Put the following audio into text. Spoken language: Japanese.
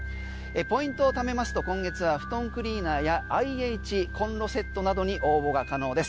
ポイントを貯めますと今月は布団クリーナーやＩＨコンロセットなどに応募が可能です。